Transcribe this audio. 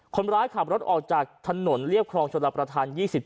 คนร้ายขับรถออกจากถนนเรียบครองชลประธาน๒๗